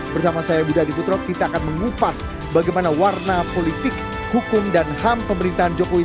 bersama saya budha diputro kita akan mengupas bagaimana warna politik hukum dan ham pemerintahan jokowi